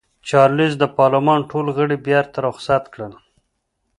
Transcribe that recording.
چارلېز د پارلمان ټول غړي بېرته رخصت کړل.